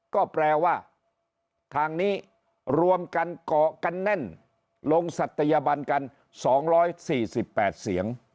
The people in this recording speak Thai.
ก็แปลว่าทางนี้รวมกันเกาะกันแน่นลงศัตยบันกัน๒๔๘เสียง